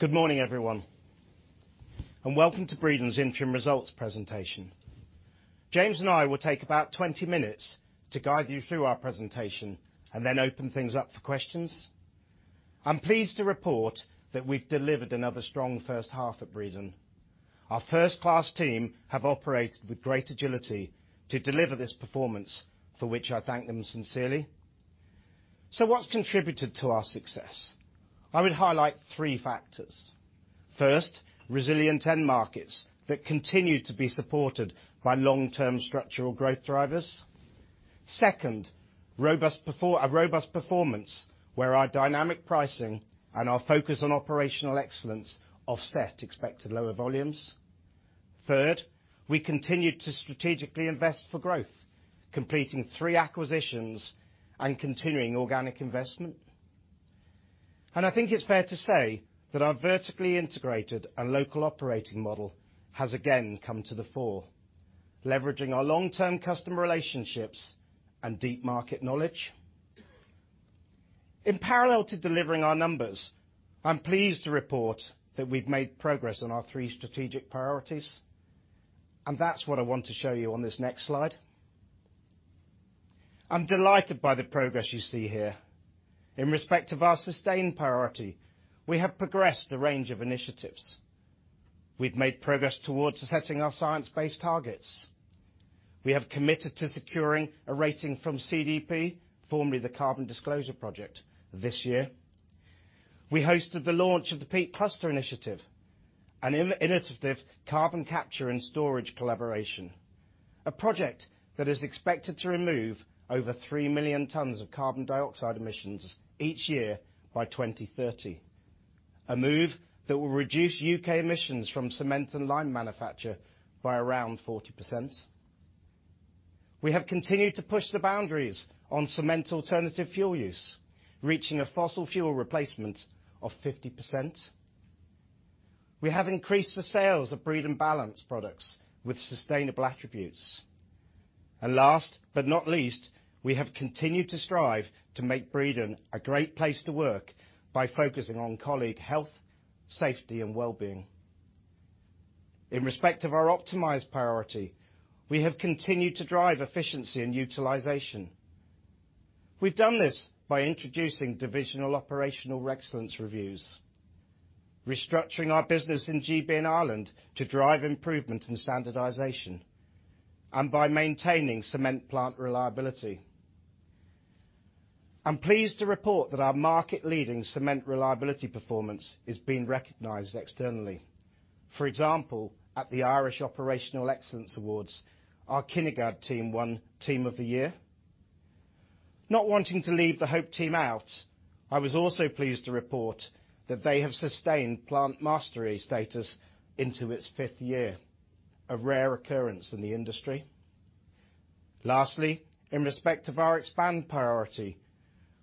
Good morning, everyone. Welcome to Breedon's interim results presentation. James and I will take about 20 minutes to guide you through our presentation, and then open things up for questions. I'm pleased to report that we've delivered another strong first half at Breedon. Our first-class team have operated with great agility to deliver this performance, for which I thank them sincerely. What's contributed to our success? I would highlight 3 factors: First, resilient end markets that continue to be supported by long-term structural growth drivers. Second, a robust performance, where our dynamic pricing and our focus on operational excellence offset expected lower volumes. Third, we continued to strategically invest for growth, completing 3 acquisitions and continuing organic investment. I think it's fair to say that our vertically integrated and local operating model has again come to the fore, leveraging our long-term customer relationships and deep market knowledge. In parallel to delivering our numbers, I'm pleased to report that we've made progress on our three strategic priorities, and that's what I want to show you on this next slide. I'm delighted by the progress you see here. In respect of our sustained priority, we have progressed a range of initiatives. We've made progress towards setting our science-based targets. We have committed to securing a rating from CDP, formerly the Carbon Disclosure Project, this year. We hosted the launch of the Peak Cluster initiative, a carbon capture and storage collaboration project that is expected to remove over 3 million tons of carbon dioxide emissions each year by 2030, a move that will reduce UK emissions from cement and lime manufacture by around 40%. We have continued to push the boundaries on cement alternative fuel use, reaching a fossil fuel replacement rate of 50%. We have increased the sales of Breedon Balance products with sustainable attributes. Last but not least, we have continued to strive to make Breedon a great place to work by focusing on colleague health, safety, and wellbeing. In respect of our optimized priority, we have continued to drive efficiency and utilization. We've done this by introducing divisional operational excellence reviews, restructuring our business in GB and Ireland to drive improvement and standardization, and by maintaining cement plant reliability. I'm pleased to report that our market-leading cement reliability performance is being recognized externally. For example, at the Irish Operational Excellence Awards, our Kinnegad team won Team of the Year. Not wanting to leave the Hope team out, I was also pleased to report that they have sustained plant mastery status into its fifth year, a rare occurrence in the industry. Lastly, in respect of our expand priority,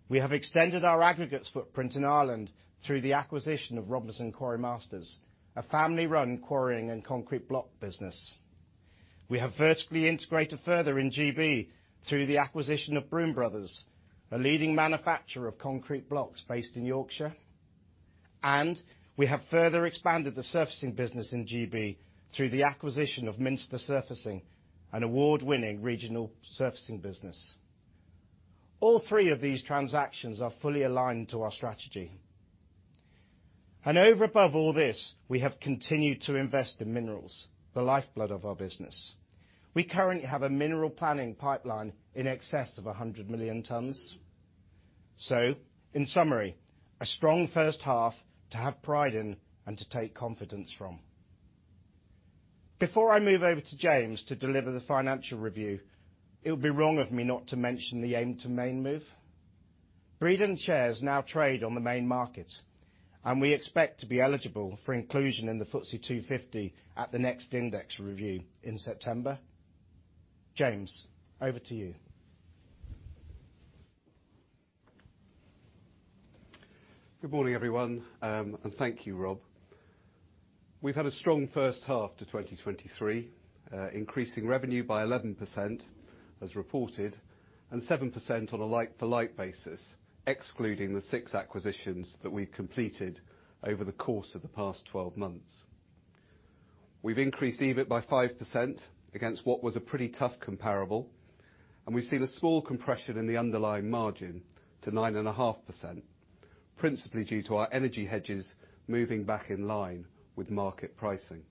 we have extended our aggregates footprint in Ireland through the acquisition of Robinson Quarry Masters, a family-run quarrying and concrete block business. We have vertically integrated further in GB through the acquisition of Broome Bros., a leading manufacturer of concrete blocks based in Yorkshire. We have further expanded the surfacing business in GB through the acquisition of Minster Surfacing, an award-winning regional surfacing business. All three of these transactions are fully aligned to our strategy. Over above all this, we have continued to invest in minerals, the lifeblood of our business. We currently have a mineral planning pipeline in excess of 100 million tons. In summary, a strong first half to have pride in and to take confidence from. Before I move over to James to deliver the financial review, it would be wrong of me not to mention the AIM to Main Market move. Breedon shares now trade on the Main Market, and we expect to be eligible for inclusion in the FTSE 250 at the next index review in September. James, over to you. Good morning, everyone. Thank you, Rob. We've had a strong first half to 2023, increasing revenue by 11%, as reported, and 7% on a like-for-like basis, excluding the 6 acquisitions that we completed over the course of the past 12 months. We've increased EBIT by 5% against what was a pretty tough comparable, and we've seen a small compression in the underlying margin to 9.5%, principally due to our energy hedges moving back in line with market pricing.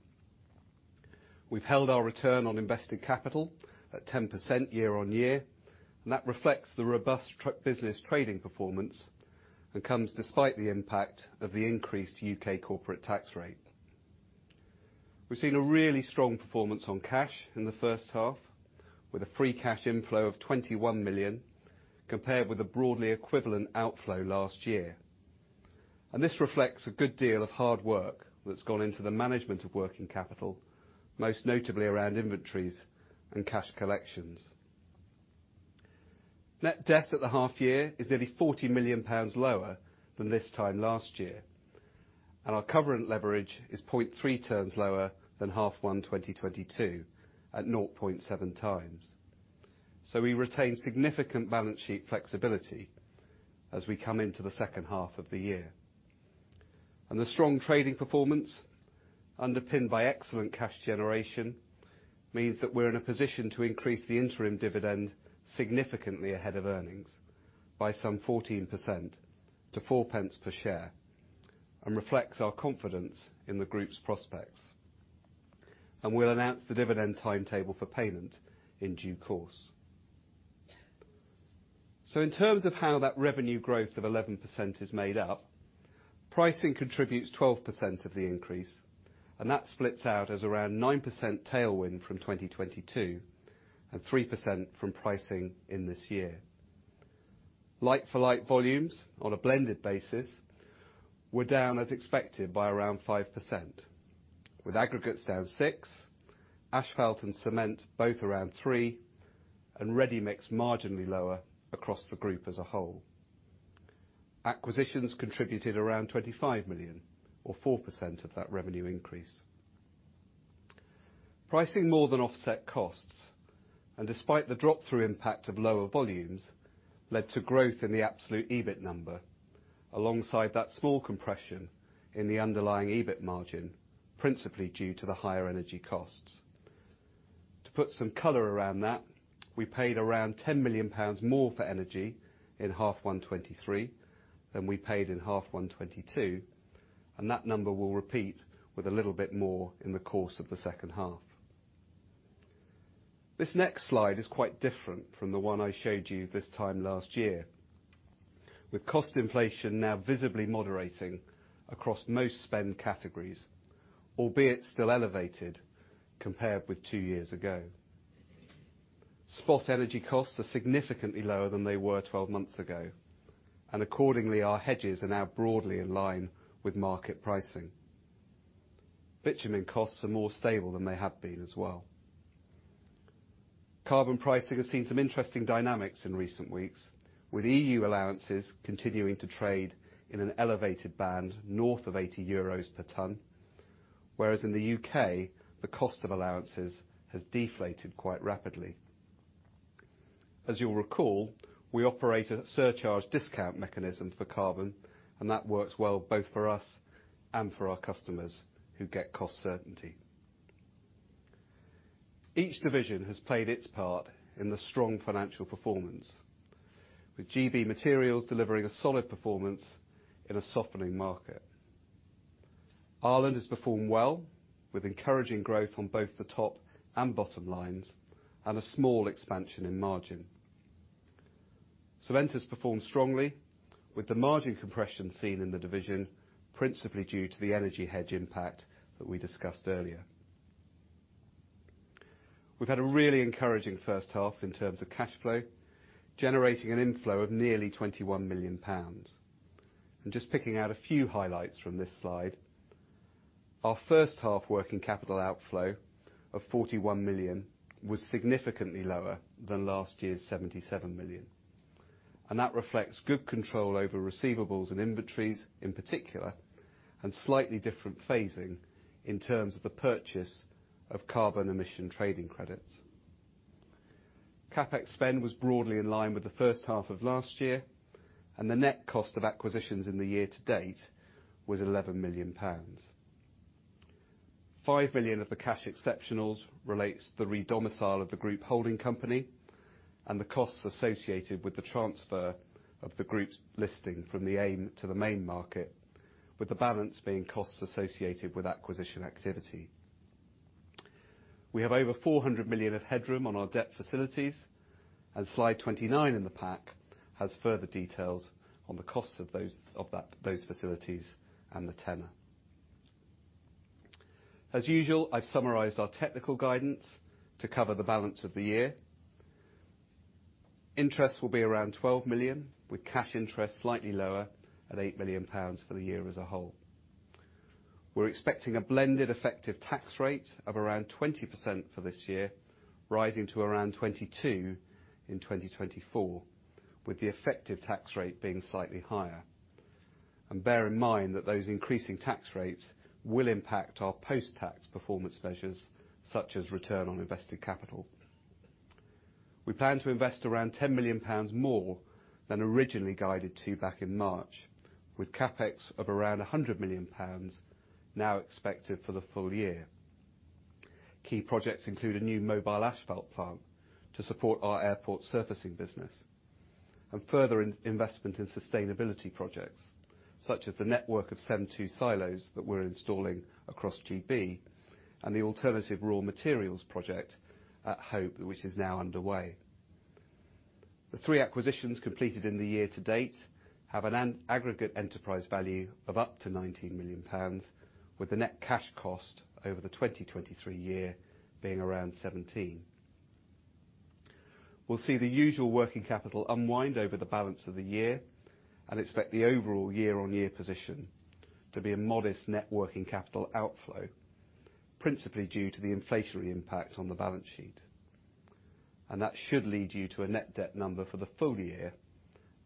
We've held our return on invested capital at 10% year-over-year, and that reflects the robust business trading performance and comes despite the impact of the increased U.K. corporate tax rate. We've seen a really strong performance on cash in the first half, with a free cash inflow of 21 million, compared with a broadly equivalent outflow last year. This reflects a good deal of hard work that's gone into the management of working capital, most notably around inventories and cash collections. Net debt at the half year is nearly 40 million pounds lower than this time last year, Our Covenant Leverage is 0.3x lower than H1 2022, at 0.7x. We retain significant balance sheet flexibility as we come into the second half of the year. The strong trading performance, underpinned by excellent cash generation, means that we're in a position to increase the interim dividend significantly ahead of earnings by some 14% to 4 pence per share, and reflects our confidence in the group's prospects. We'll announce the dividend timetable for payment in due course. In terms of how that revenue growth of 11% is made up, pricing contributes 12% of the increase, and that splits out as around 9% tailwind from 2022, and 3% from pricing in this year. Like-for-like volumes on a blended basis were down as expected by around 5%, with aggregates down 6%, asphalt and cement both around 3%, and ready mix marginally lower across the group as a whole. Acquisitions contributed around 25 million, or 4% of that revenue increase. Pricing more than offset costs, and despite the drop through impact of lower volumes, led to growth in the absolute EBIT number, alongside that small compression in the underlying EBIT margin, principally due to the higher energy costs. To put some color around that, we paid around 10 million pounds more for energy in H1 2023 than we paid in H1 2022. That number will repeat with a little bit more in the course of the second half. This next slide is quite different from the one I showed you this time last year. With cost inflation now visibly moderating across most spend categories, albeit still elevated compared with two years ago. Spot energy costs are significantly lower than they were 12 months ago. Accordingly, our hedges are now broadly in line with market pricing. Bitumen costs are more stable than they have been as well. Carbon pricing has seen some interesting dynamics in recent weeks, with EU allowances continuing to trade in an elevated band north of 80 euros per tonne, whereas in the UK, the cost of allowances has deflated quite rapidly. As you'll recall, we operate a surcharge discount mechanism for carbon. That works well both for us and for our customers, who get cost certainty. Each division has played its part in the strong financial performance, with GB materials delivering a solid performance in a softening market. Ireland has performed well, with encouraging growth on both the top and bottom lines, and a small expansion in margin. Cement has performed strongly, with the margin compression seen in the division, principally due to the energy hedge impact that we discussed earlier. We've had a really encouraging first half in terms of cash flow, generating an inflow of nearly 21 million pounds. Just picking out a few highlights from this slide, our first half working capital outflow of 41 million was significantly lower than last year's 77 million, and that reflects good control over receivables and inventories, in particular, and slightly different phasing in terms of the purchase of carbon emission trading credits. CapEx spend was broadly in line with the first half of last year, the net cost of acquisitions in the year to date was 11 million pounds. 5 million of the cash exceptionals relates to the re-domicile of the group holding company and the costs associated with the transfer of the group's listing from the AIM to the main market, with the balance being costs associated with acquisition activity. We have over 400 million of headroom on our debt facilities. Slide 29 in the pack has further details on the costs of those facilities and the tenor. As usual, I have summarized our technical guidance to cover the balance of the year. Interest will be around 12 million, with cash interest slightly lower at 8 million pounds for the year as a whole. We are expecting a blended effective tax rate of around 20% for this year, rising to around 22% in 2024. Bear in mind that those increasing tax rates will impact our post-tax performance measures, such as return on invested capital. We plan to invest around 10 million pounds more than originally guided back in March, with CapEx of around 100 million pounds now expected for the full year. Key projects include a new mobile asphalt plant to support our airport surfacing business and further investment in sustainability projects, such as the network of CEM II silos that we are installing across GB and the alternative raw materials project at Hope, which is now underway. The three acquisitions completed in the year to date have an aggregate enterprise value of up to 19 million pounds, with the net cash cost over 2023 being around 17 million. We will see the usual working capital unwind over the balance of the year and expect the overall year-on-year position to be a modest net working capital outflow, principally due to the inflationary impact on the balance sheet. That should lead you to a net debt number for the full year,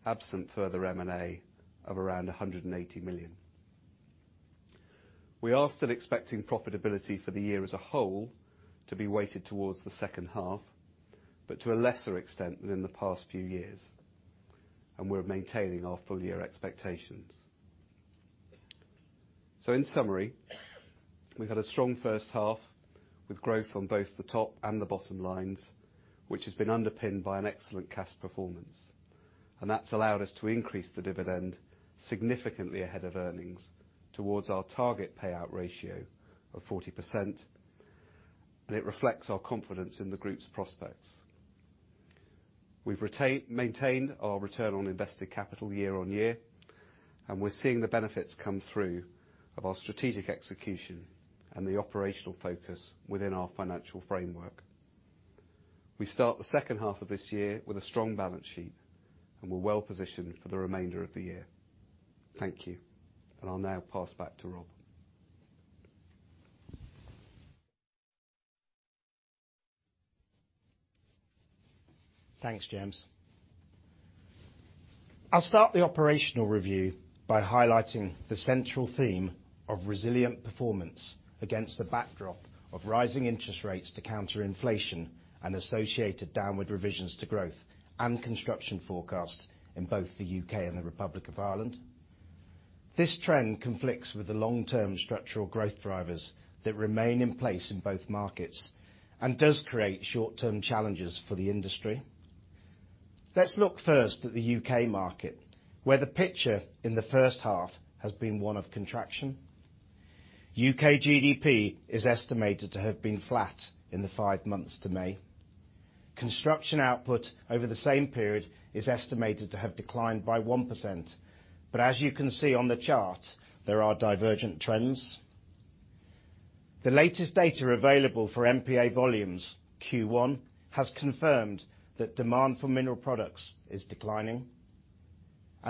absent further M&A, of around 180 million. We are still expecting profitability for the year as a whole to be weighted towards the second half, but to a lesser extent than in the past few years. We're maintaining our full year expectations. In summary, we've had a strong first half, with growth on both the top and the bottom lines, which has been underpinned by an excellent cash performance. That's allowed us to increase the dividend significantly ahead of earnings towards our target payout ratio of 40%. It reflects our confidence in the Group's prospects. We've maintained our return on invested capital year-on-year. We're seeing the benefits come through of our strategic execution and the operational focus within our financial framework. We start the second half of this year with a strong balance sheet. We're well positioned for the remainder of the year. Thank you, and I'll now pass back to Rob. Thanks, James. I'll start the operational review by highlighting the central theme of resilient performance against the backdrop of rising interest rates to counter inflation and associated downward revisions to growth and construction forecasts in both the UK and the Republic of Ireland. This trend conflicts with the long-term structural growth drivers that remain in place in both markets and does create short-term challenges for the industry. Let's look first at the UK market, where the picture in the first half has been one of contraction. UK GDP is estimated to have been flat in the 5 months to May. Construction output over the same period is estimated to have declined by 1%, but as you can see on the chart, there are divergent trends. The latest data available for MPA volumes, Q1, has confirmed that demand for mineral products is declining.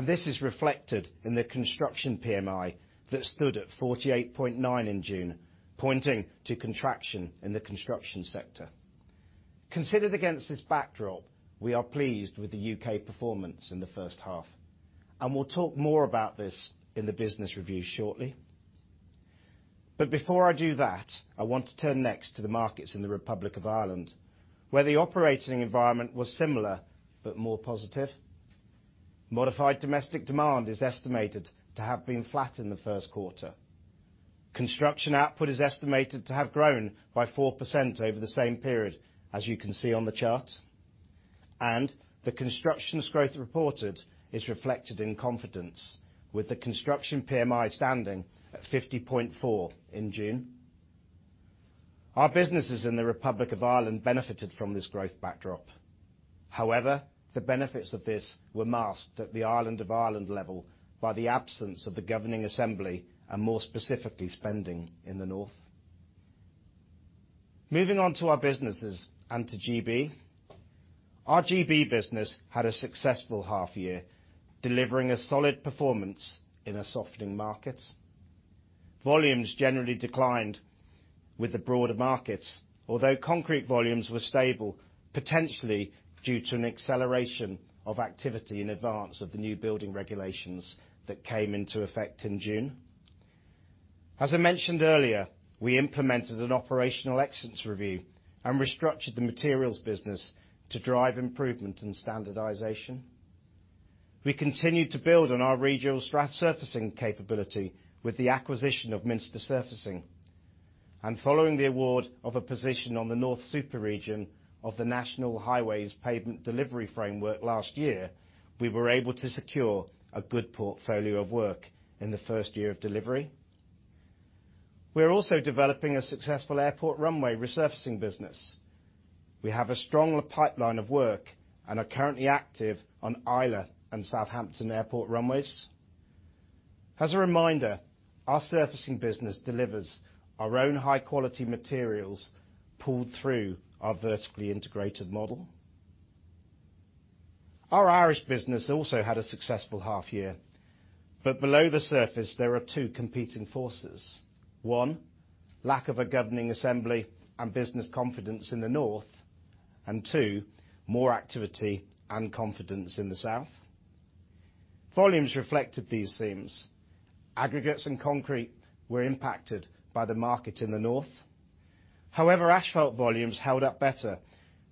This is reflected in the construction PMI that stood at 48.9 in June, pointing to contraction in the construction sector. Considered against this backdrop, we are pleased with the U.K. performance in the first half. We'll talk more about this in the business review shortly. Before I do that, I want to turn next to the markets in the Republic of Ireland, where the operating environment was similar but more positive. modified domestic demand is estimated to have been flat in the first quarter. Construction output is estimated to have grown by 4% over the same period, as you can see on the chart. The construction growth reported is reflected in confidence, with the construction PMI standing at 50.4 in June. Our businesses in the Republic of Ireland benefited from this growth backdrop. However, the benefits of this were masked at the island of Ireland level by the absence of the governing assembly and, more specifically, spending in the north. Moving on to our businesses and to GB. Our GB business had a successful half year, delivering a solid performance in a softening market. Volumes generally declined with the broader markets, although concrete volumes were stable, potentially due to an acceleration of activity in advance of the new building regulations that came into effect in June. As I mentioned earlier, we implemented an operational excellence review and restructured the materials business to drive improvement and standardization. We continued to build on our regional strategic surfacing capability with the acquisition of Minster Surfacing, and following the award of a position in the North Super Region of the National Highways Pavement Delivery Framework last year, we were able to secure a good portfolio of work in the first year of delivery. We are also developing a successful airport runway resurfacing business. We have a strong pipeline of work and are currently active on Islay and Southampton Airport runways. As a reminder, our surfacing business delivers our own high-quality materials, pulled through our vertically integrated model. Our Irish business also had a successful half year, but below the surface there are two competing forces: one, lack of a governing assembly and business confidence in the north; and two, more activity and confidence in the south. Volumes reflected these themes. Aggregates and concrete were impacted by the market in the North. However, asphalt volumes held up better,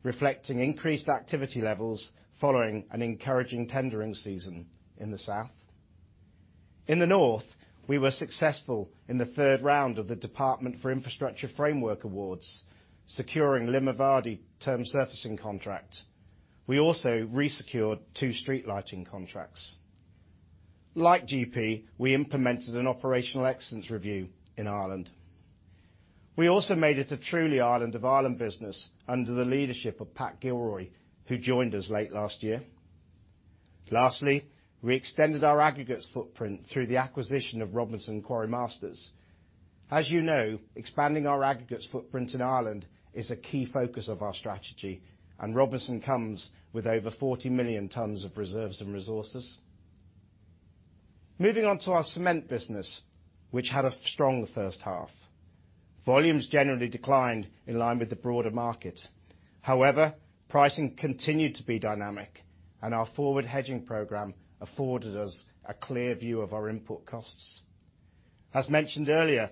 reflecting increased activity levels following an encouraging tendering season in the South. In the North, we were successful in the third round of the Department for Infrastructure framework awards, securing the Limavady term surfacing contract. We also resecured two street lighting contracts. Like GB, we implemented an operational excellence review in Ireland. We also made it a truly island-of-Ireland business under the leadership of Pat Gilroy, who joined us late last year. Lastly, we extended our aggregates footprint through the acquisition of Robinson Quarry Masters. As you know, expanding our aggregates footprint in Ireland is a key focus of our strategy, and Robinson comes with over 40 million tons of reserves and resources. Moving on to our cement business, which had a strong first half. Volumes generally declined in line with the broader market. However, pricing continued to be dynamic, and our forward hedging program afforded us a clear view of our input costs. As mentioned earlier,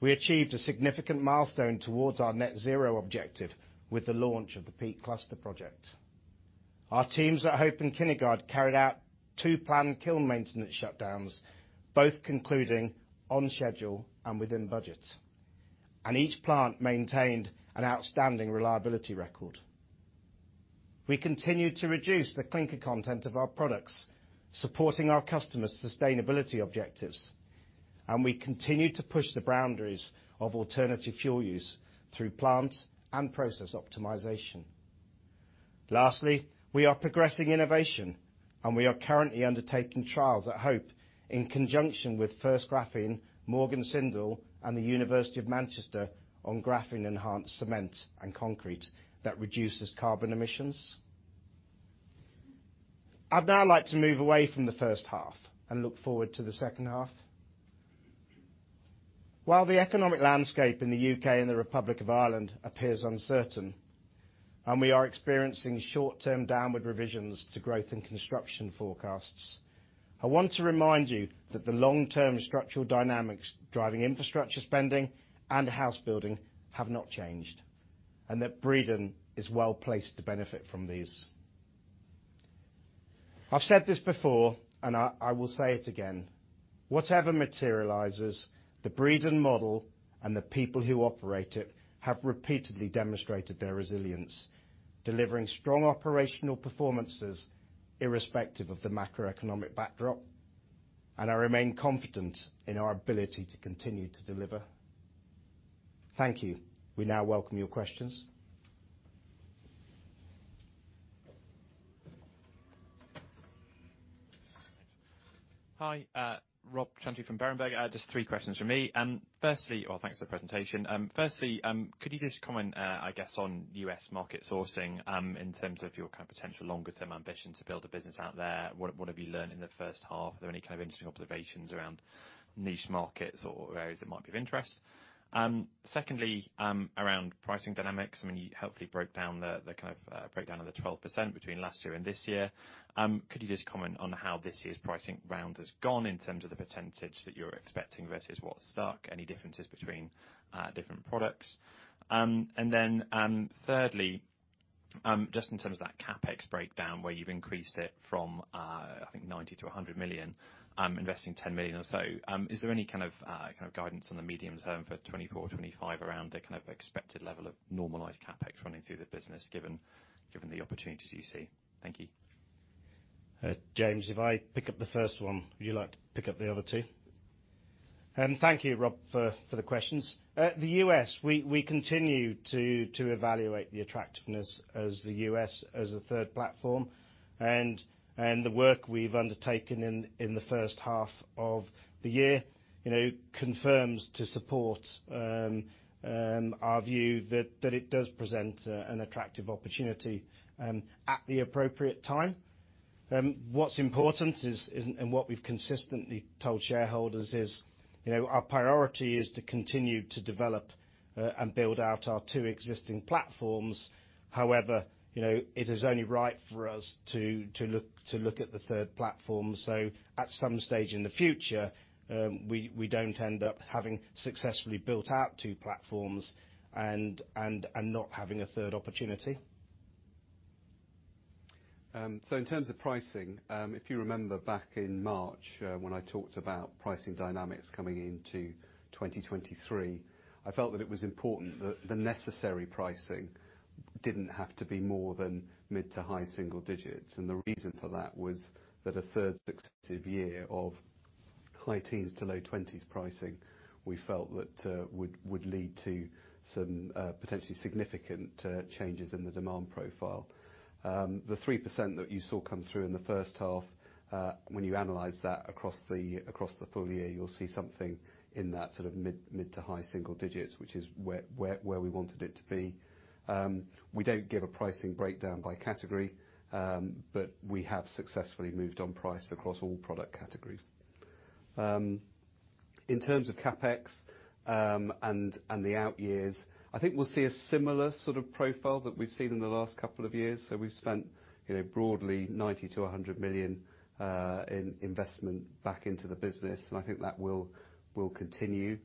we achieved a significant milestone toward our net zero objective with the launch of the Peak Cluster project. Our teams at Hope and Kinnegad carried out two planned kiln maintenance shutdowns, both concluding on schedule and within budget, and each plant maintained an outstanding reliability record. We continued to reduce the clinker content of our products, supporting our customers' sustainability objectives, and we continued to push the boundaries of alternative fuel use through plant and process optimization. Lastly, we are progressing innovation, and we are currently undertaking trials at Hope in conjunction with First Graphene, Morgan Sindall, and the University of Manchester on graphene-enhanced cement and concrete that reduce carbon emissions. I would now like to move away from the first half and look forward to the second half. While the economic landscape in the UK and the Republic of Ireland appears uncertain, and we are experiencing short-term downward revisions to growth and construction forecasts, I want to remind you that the long-term structural dynamics driving infrastructure spending and house building have not changed, and that Breedon is well placed to benefit from these. I have said this before, and I will say it again, whatever materializes, the Breedon model and the people who operate it have repeatedly demonstrated their resilience, delivering strong operational performances irrespective of the macroeconomic backdrop, and I remain confident in our ability to continue to deliver. Thank you. We now welcome your questions. Hi, Robert Chantry from Berenberg. Just three questions from me. Firstly. Well, thanks for the presentation. Firstly, could you just comment, I guess, on U.S. market sourcing, in terms of your kind of potential longer-term ambition to build a business out there? What, what have you learned in the first half? Are there any kind of interesting observations around niche markets or areas that might be of interest? Secondly, around pricing dynamics, I mean, you helpfully broke down the kind of breakdown of the 12% between last year and this year. Could you just comment on how this year's pricing round has gone in terms of the percentage that you're expecting versus what stuck, any differences between, different products? Thirdly, just in terms of that CapEx breakdown, where you've increased it from, I think 90 to 100 million, investing 10 million or so, is there any kind of guidance on the medium term for 2024 or 2025 around the kind of expected level of normalized CapEx running through the business, given the opportunities you see? Thank you. James, if I pick up the first one, would you like to pick up the other two? Thank you, Rob, for the questions. The U.S., we continue to evaluate the attractiveness as the U.S. as a third platform, and the work we've undertaken in the first half of the year, you know, confirms to support our view that it does present an attractive opportunity at the appropriate time. What's important is, and what we've consistently told shareholders is, you know, our priority is to continue to develop and build out our two existing platforms. However, you know, it is only right for us to look at the third platform, so at some stage in the future, we don't end up having successfully built out two platforms and not having a third opportunity. So in terms of pricing, if you remember back in March, when I talked about pricing dynamics coming into 2023, I felt that it was important that the necessary pricing didn't have to be more than mid-to-high single digits. The reason for that was that a third successive year of high teens to low 20s pricing, we felt that would lead to some potentially significant changes in the demand profile. The 3% that you saw come through in the first half, when you analyze that across the full year, you'll see something in that sort of mid-to-high single digits, which is where we wanted it to be. We don't give a pricing breakdown by category, we have successfully moved on price across all product categories. In terms of CapEx, and the out years, I think we'll see a similar sort of profile that we've seen in the last couple of years. We've spent, you know, broadly 90 million-100 million in investment back into the business, and I think that will continue.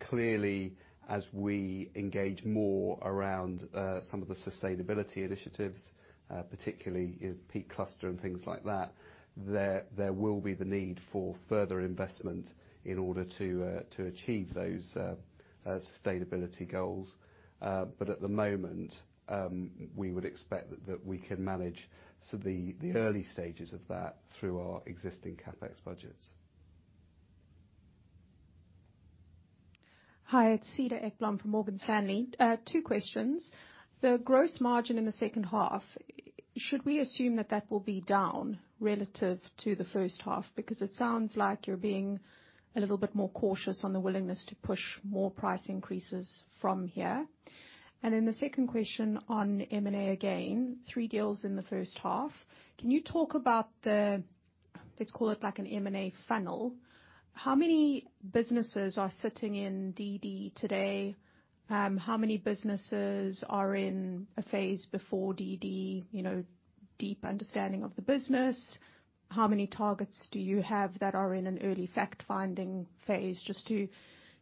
Clearly, as we engage more around some of the sustainability initiatives, particularly in Peak Cluster and things like that, there will be the need for further investment in order to achieve those sustainability goals. At the moment, we would expect that we can manage the early stages of that through our existing CapEx budgets. Hi, it's Cedar Ekblom from Morgan Stanley. 2 questions. The gross margin in the second half, should we assume that that will be down relative to the first half? It sounds like you're being a little bit more cautious on the willingness to push more price increases from here. The second question on M&A again, 3 deals in the first half. Can you talk about the let's call it like an M&A funnel, how many businesses are sitting in DD today? How many businesses are in a phase before DD, you know, deep understanding of the business? How many targets do you have that are in an early fact-finding phase? Just to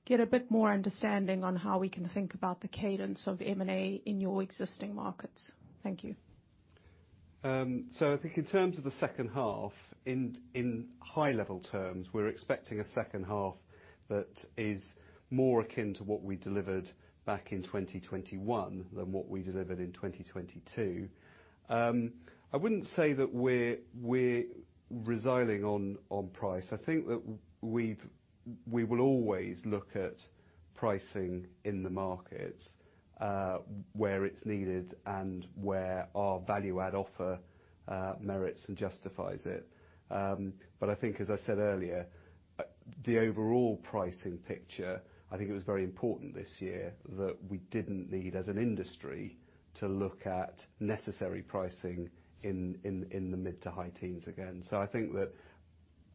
get a bit more understanding on how we can think about the cadence of M&A in your existing markets. Thank you. I think in terms of the second half, in high-level terms, we're expecting a second half that is more akin to what we delivered back in 2021 than what we delivered in 2022. I wouldn't say that we're residing on price. I think that we will always look at pricing in the markets where it's needed and where our value-add offer merits and justifies it. I think, as I said earlier, the overall pricing picture, I think it was very important this year that we didn't need, as an industry, to look at necessary pricing in the mid to high teens again. I think that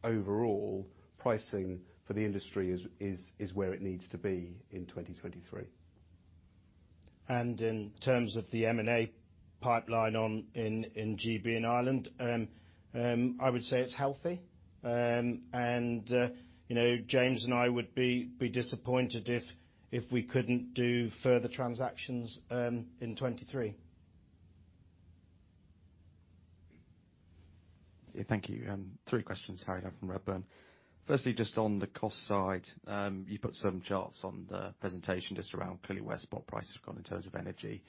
overall, pricing for the industry is where it needs to be in 2023. In terms of the M&A pipeline in GB and Ireland, I would say it's healthy. You know, James and I would be disappointed if we couldn't do further transactions in 2023. Thank you. 3 questions, hi, from Redburn. Firstly, just on the cost side, you put some charts on the presentation just around clearly where spot prices have gone in terms of energy.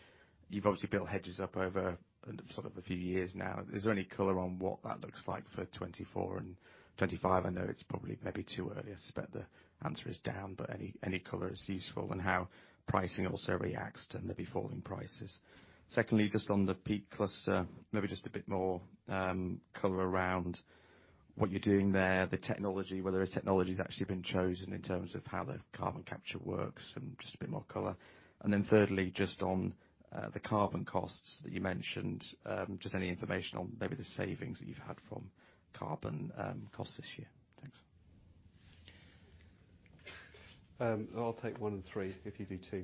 You've obviously built hedges up over sort of a few years now. Is there any color on what that looks like for 2024 and 2025? I know it's probably maybe too early. I suspect the answer is down, but any color is useful, and how pricing also reacts to maybe falling prices. Secondly, just on the Peak Cluster, a bit more color around what you're doing there, the technology, whether a technology's actually been chosen in terms of how the carbon capture works and just a bit more color. Thirdly, just on the carbon costs that you mentioned, just any information on maybe the savings that you've had from carbon costs this year. Thanks. I'll take one and three, if you do two.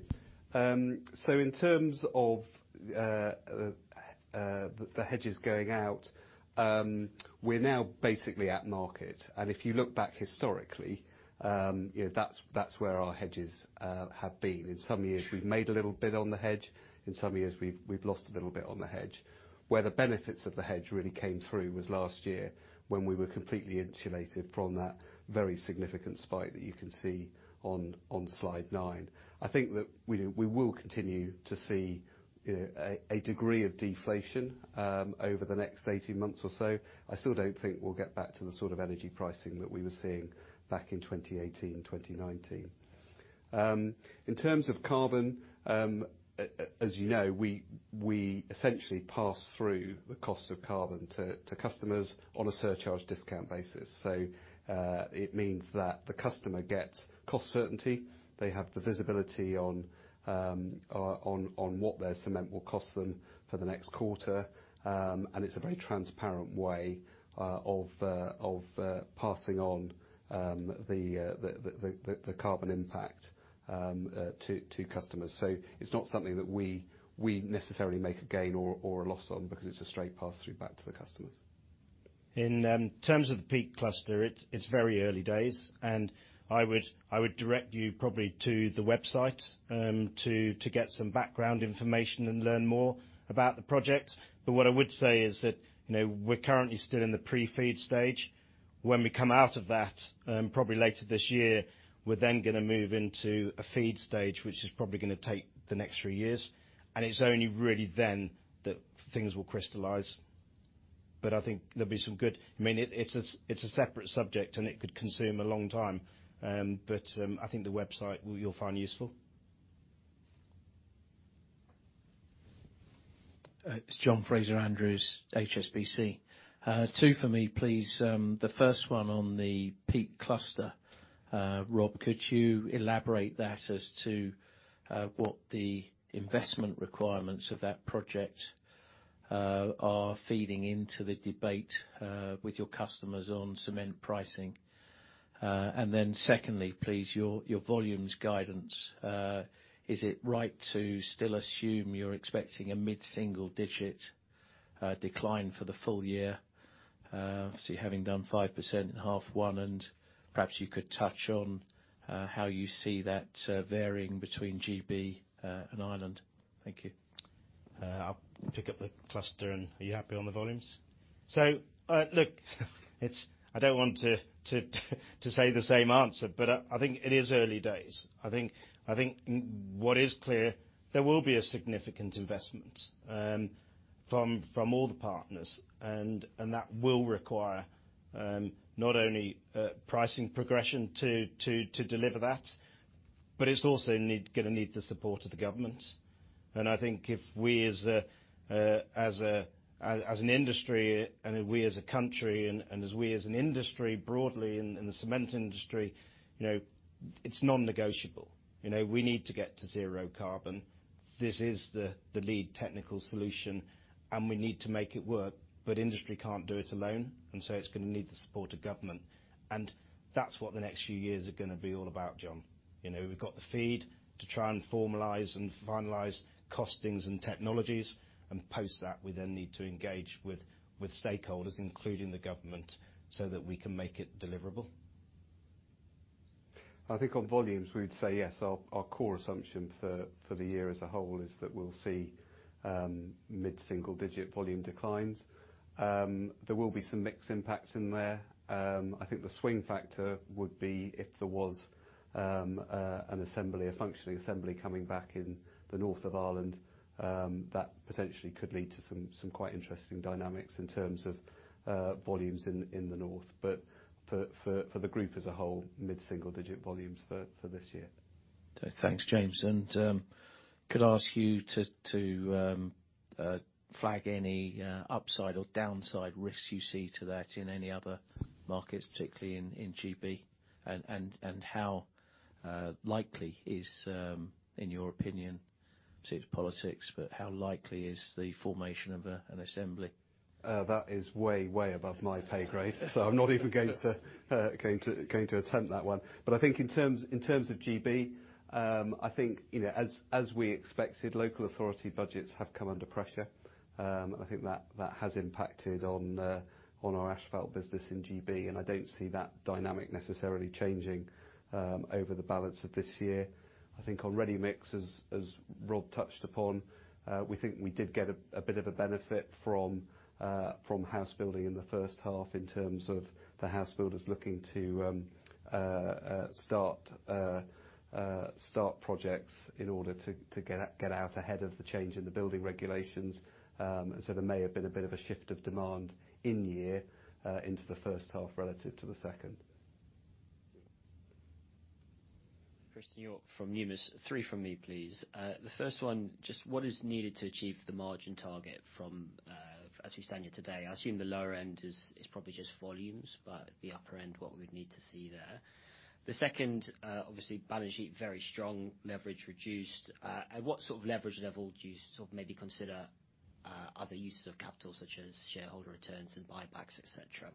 In terms of the hedges going out, we are now basically at market. If you look back historically, that is where our hedges have been. In some years, we have made a little bit on the hedge. In some years, we have lost a little bit on the hedge. Where the benefits of the hedge really came through was last year, when we were completely insulated from that very significant spike that you can see on slide 9. I think that we will continue to see a degree of deflation over the next 18 months or so. I still do not think we will get back to the sort of energy pricing that we were seeing back in 2018 and 2019. In terms of carbon, as you know, we essentially pass through the cost of carbon to customers on a surcharge discount basis. It means that the customer gets cost certainty. They have the visibility on what their cement will cost them for the next quarter. It's a very transparent way of passing on the carbon impact to customers. It's not something that we necessarily make a gain or a loss on, because it's a straight pass-through back to the customers. In terms of the Peak Cluster, it's very early days. I would direct you probably to the website to get some background information and learn more about the project. What I would say is that, you know, we're currently still in the pre-FEED stage. When we come out of that, probably later this year, we're then gonna move into a FEED stage, which is probably gonna take the next 3 years. It's only really then that things will crystallize. I think there'll be some good. I mean, it's a separate subject. It could consume a long time. I think the website, you'll find useful. It is John Fraser-Andrews, HSBC. Two for me, please. The first one on the Peak Cluster. Rob, could you elaborate on that as to what the investment requirements of that project are, feeding into the debate with your customers on cement pricing? Secondly, please, your volumes guidance, is it right to still assume you are expecting a mid-single-digit decline for the full year? Obviously, having done 5% in H1, perhaps you could touch on how you see that varying between GB and Ireland. Thank you. I will pick up the Peak Cluster. Are you happy on the volumes? Look, I do not want to give the same answer, but I think it is early days. I think what is clear is that there will be a significant investment from all the partners, and that will require not only pricing progression to deliver that, but it is also going to need the support of the government. I think if we, as an industry and as a country, broadly in the cement industry, it is non-negotiable. We need to get to zero carbon. this is the lead technical solution, and we need to make it work, but industry can't do it alone, and so it's gonna need the support of government. That's what the next few years are gonna be all about, John. You know, we've got the FEED to try and formalize and finalize costings and technologies, and post that, we then need to engage with stakeholders, including the government, so that we can make it deliverable. I think on volumes, we'd say yes, our core assumption for the year as a whole is that we'll see mid-single digit volume declines. There will be some mix impacts in there. I think the swing factor would be if there was a functioning assembly coming back in Northern Ireland, that potentially could lead to some quite interesting dynamics in terms of volumes in the north. For the group as a whole, mid-single digit volumes for this year. Thanks, James. Could I ask you to flag any upside or downside risks you see to that in any other markets, particularly in GB? How likely is, in your opinion, obviously it's politics, but how likely is the formation of an assembly? That is way above my pay grade, so I am not even going to attempt that one. I think in terms of GB, as we expected, local authority budgets have come under pressure. I think that has impacted our asphalt business in GB. I do not see that dynamic necessarily changing over the balance of this year. I think on ready mix, as Rob touched upon, we did get a bit of a benefit from house building in the first half, in terms of the house builders looking to start projects in order to get out ahead of the change in the building regulations. There may have been a bit of a shift of demand in the year, into the first half relative to the second. Christen Hjorth from Numis. Three from me, please. The first one, just what is needed to achieve the margin target from where we stand today? I assume the lower end is probably just volumes, but the upper end, what we would need to see there. The second, obviously, balance sheet, very strong, leverage reduced. At what sort of leverage level do you consider other uses of capital, such as shareholder returns and buybacks, et cetera?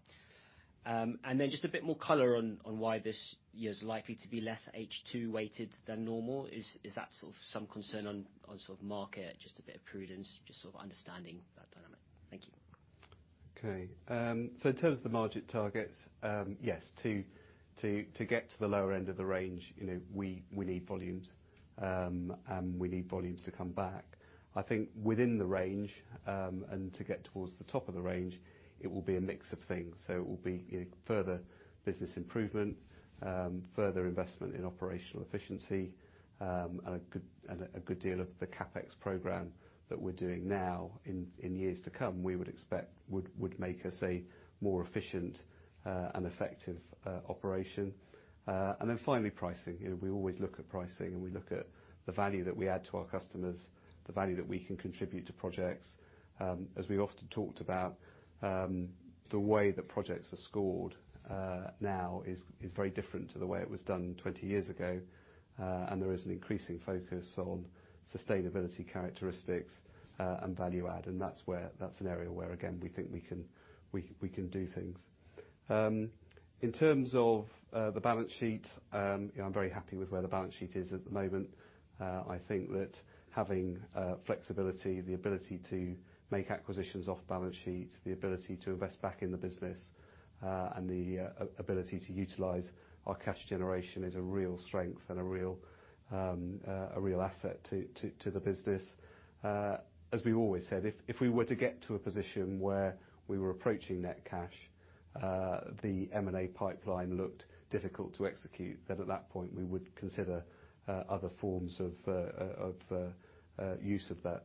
Then just a bit more color on why this year is likely to be less H2-weighted than normal. Is that some concern on the market, just a bit of prudence, just understanding that dynamic? Thank you. Okay. In terms of the margin targets, yes, to get to the lower end of the range, you know, we need volumes, we need volumes to come back. I think within the range, to get towards the top of the range, it will be a mix of things. It will be, you know, further business improvement, further investment in operational efficiency, a good deal of the CapEx program that we're doing now, in years to come, we would expect would make us a more efficient and effective operation. Finally, pricing. You know, we always look at pricing, we look at the value that we add to our customers, the value that we can contribute to projects. As we've often talked about, the way that projects are scored, now is very different to the way it was done 20 years ago. There is an increasing focus on sustainability characteristics and value add, and that's an area where, again, we think we can do things. In terms of the balance sheet, you know, I'm very happy with where the balance sheet is at the moment. I think that having flexibility, the ability to make acquisitions off balance sheet, the ability to invest back in the business, and the ability to utilize our cash generation, is a real strength and a real asset to the business. As we've always said, if we were to get to a position where we were approaching net cash, the M&A pipeline looked difficult to execute, then at that point, we would consider other forms of use of that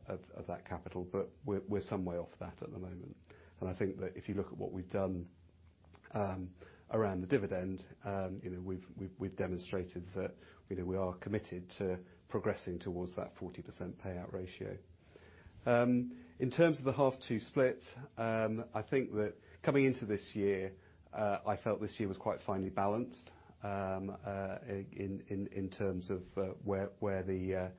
capital, but we're some way off that at the moment. I think that if you look at what we've done, around the dividend, you know, we've demonstrated that, you know, we are committed to progressing towards that 40% payout ratio. In terms of the half to split, I think that coming into this year, I felt this year was quite finely balanced, in terms of, where the,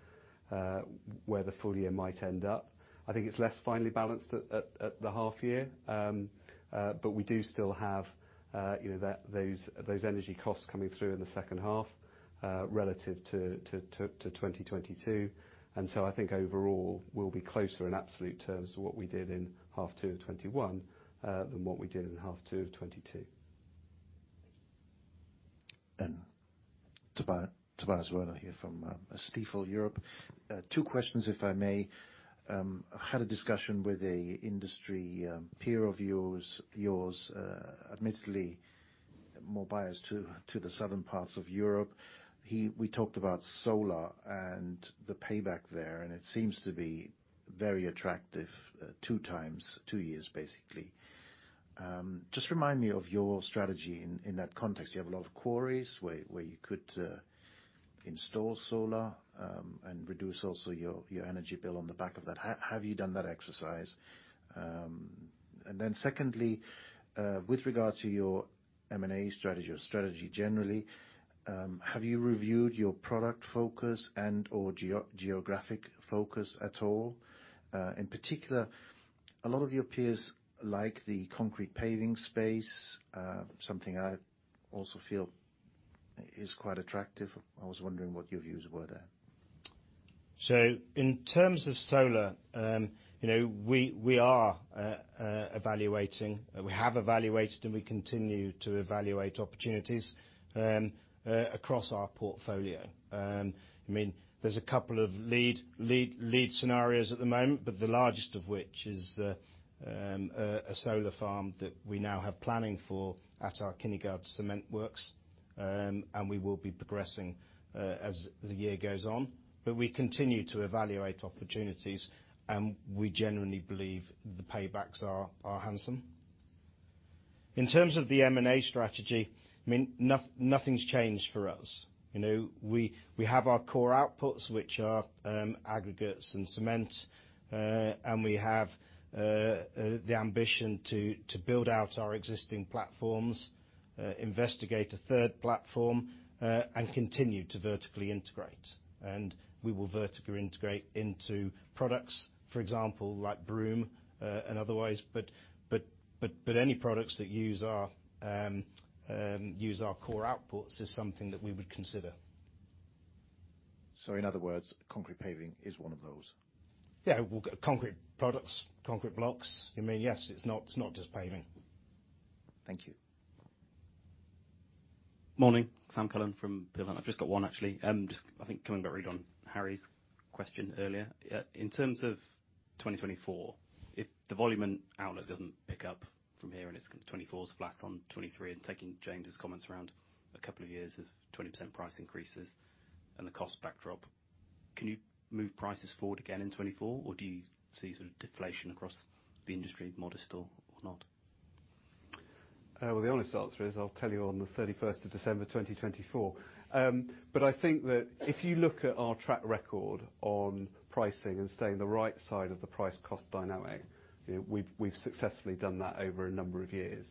where the full year might end up. I think it's less finely balanced at the half year. But we do still have, you know, those energy costs coming through in the second half, relative to 2022. I think overall, we'll be closer in absolute terms to what we did in half 2 of 2021, than what we did in half 2 of 2022. Tobias Roeder here from Stifel Europe. Two questions, if I may. I had a discussion with an industry peer of yours, admittedly more biased to the southern parts of Europe. We talked about solar and the payback there, and it seems to be very attractive, two times, two years, basically. Just remind me of your strategy in that context. You have a lot of quarries where you could install solar and reduce your energy bill on the back of that. Have you done that exercise? Secondly, with regard to your M&A strategy or strategy generally, have you reviewed your product focus and/or geographic focus at all? In particular, a lot of your peers like the concrete paving space, something I also feel is quite attractive. I was wondering what your views were there. In terms of solar, we are evaluating, we have evaluated, and we continue to evaluate opportunities across our portfolio. There are a couple of lead scenarios at the moment, the largest of which is a solar farm that we now have planning for at our Kinnegad cement works. We will be progressing it as the year goes on. We continue to evaluate opportunities, and we generally believe the paybacks are attractive. In terms of the M&A strategy, nothing has changed for us. We have our core outputs, which are aggregates and cement. We have the ambition to build out our existing platforms, investigate a third platform, and continue to vertically integrate. We will vertically integrate into products, for example, like Broome, and otherwise. But any products that use our core outputs is something that we would consider. In other words, concrete paving is one of those? Yeah, we'll get concrete products, concrete blocks. I mean, yes, it's not, it's not just paving. Thank you. Morning, Sam Cullen from Berenberg. I've just got one, actually. I think coming back really on Harry's question earlier. In terms of 2024, if the volume and outlook doesn't pick up from here, and it's 2024's flat on 2023, taking James' comments around a couple of years of 20% price increases and the cost backdrop, can you move prices forward again in 2024, or do you see sort of deflation across the industry, modest or not? Well, the honest answer is, I'll tell you on the 31st of December, 2024. I think that if you look at our track record on pricing and staying the right side of the price cost dynamic, you know, we've successfully done that over a number of years.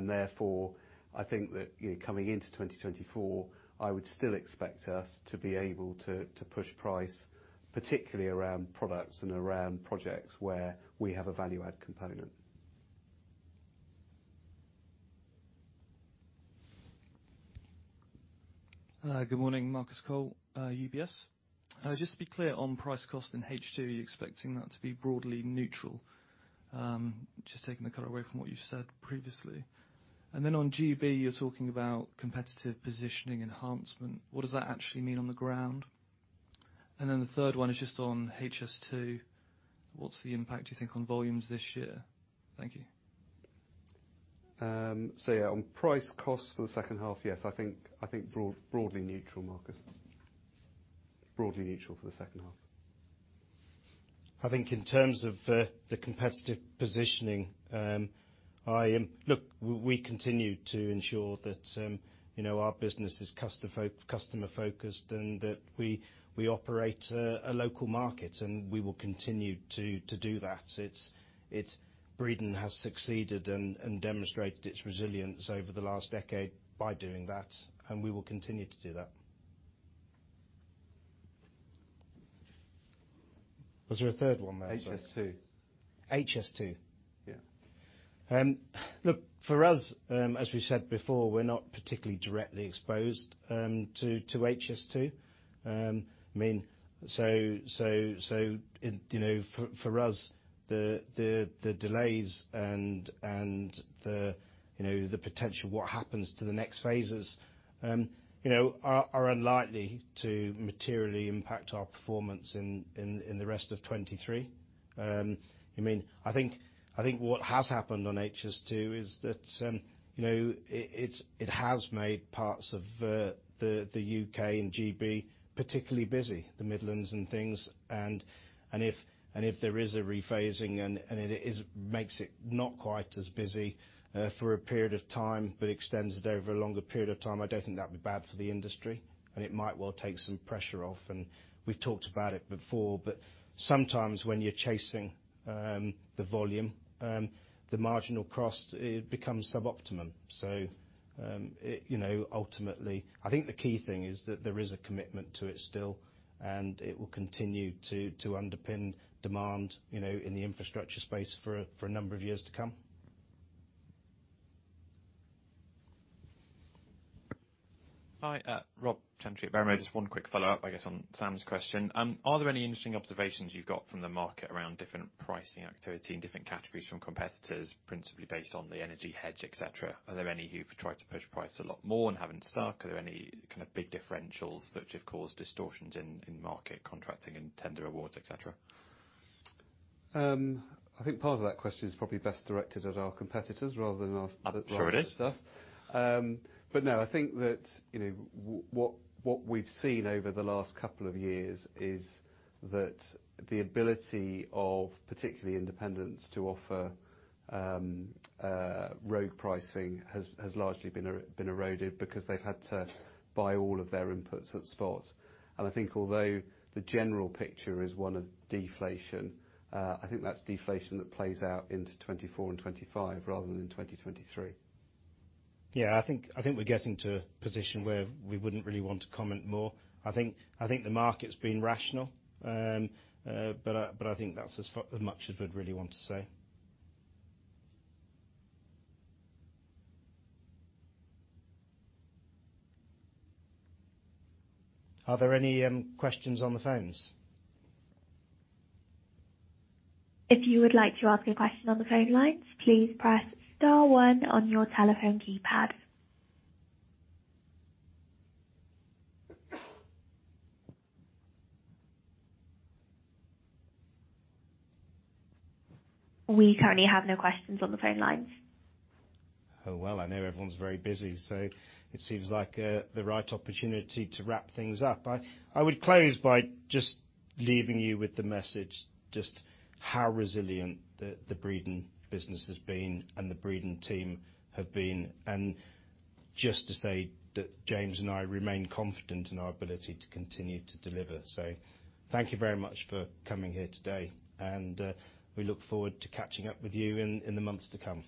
Therefore, I think that, you know, coming into 2024, I would still expect us to be able to push price, particularly around products and around projects where we have a value-add component. Good morning, Marcus Cole, UBS. Just to be clear on price cost in H2, you're expecting that to be broadly neutral? Just taking the color away from what you've said previously. On GB, you're talking about competitive positioning enhancement. What does that actually mean on the ground? The third one is just on HS2. What's the impact, do you think, on volumes this year? Thank you. Yeah, on price costs for the second half, yes, I think broadly neutral, Marcus. Broadly neutral for the second half. I think in terms of the competitive positioning, I... Look, we continue to ensure that, you know, our business is customer focused and that we operate a local market, and we will continue to do that. Breedon has succeeded and demonstrated its resilience over the last decade by doing that, and we will continue to do that. Was there a third one there? HS2. HS2? Yeah. Look, for us, as we said before, we're not particularly directly exposed, to HS2. I mean, so, it, you know, for us, the delays and the, you know, the potential what happens to the next phases, you know, are unlikely to materially impact our performance in the rest of 23. I mean, I think what has happened on HS2 is that, you know, it has made parts of, the UK and GB particularly busy, the Midlands and things. If there is a rephasing, it makes it not quite as busy for a period of time, but extends it over a longer period of time, I don't think that'd be bad for the industry, and it might well take some pressure off. We've talked about it before, but sometimes when you're chasing the volume, the marginal cost, it becomes suboptimal. You know, ultimately, I think the key thing is that there is a commitment to it still, and it will continue to underpin demand, you know, in the infrastructure space for a number of years to come. Hi, Rob Chantry at Berenberg. Just one quick follow-up, I guess, on Sam's question. Are there any interesting observations you've got from the market around different pricing activity and different categories from competitors, principally based on the energy hedge, et cetera? Are there any who've tried to push price a lot more and haven't stuck? Are there any kind of big differentials that have caused distortions in market contracting and tender awards, et cetera? I think part of that question is probably best directed at our competitors rather than. I'm sure it is.... asked us. No, I think that, you know, what we've seen over the last couple of years is that the ability of, particularly independents, to offer, rogue pricing has largely been eroded because they've had to buy all of their inputs at spot. I think although the general picture is one of deflation, I think that's deflation that plays out into 2024 and 2025, rather than in 2023. Yeah, I think we're getting to a position where we wouldn't really want to comment more. I think the market's been rational. I think that's as far, as much as we'd really want to say. Are there any questions on the phones? If you would like to ask a question on the phone lines, please press star one on your telephone keypad. We currently have no questions on the phone lines. Oh, well, I know everyone's very busy, so it seems like the right opportunity to wrap things up. I would close by just leaving you with the message, just how resilient the Breedon business has been and the Breedon team have been. Just to say that James and I remain confident in our ability to continue to deliver. Thank you very much for coming here today, and we look forward to catching up with you in the months to come.